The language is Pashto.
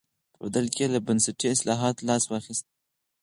په بدل کې یې له بنسټي اصلاحاتو لاس واخیست.